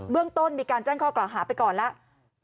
เรื่องต้นมีการแจ้งข้อกล่าวหาไปก่อนแล้ว